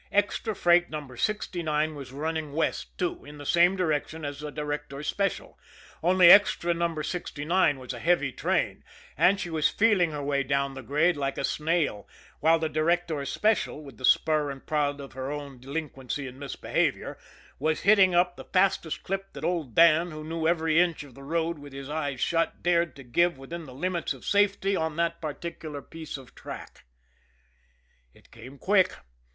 Extra Freight No. 69 was running west, too, in the same direction as the Directors' Special; only Extra No. 69 was a heavy train and she was feeling her way down the grade like a snail, while the Directors' Special, with the spur and prod of her own delinquency and misbehavior, was hitting up the fastest clip that old Dan, who knew every inch of the road with his eyes shut, dared to give within the limits of safety on that particular piece of track. It came quick.